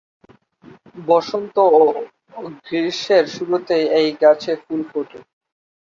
বসন্ত ও গ্রীষ্মের শুরুতে এই গাছে ফুল ফোটে।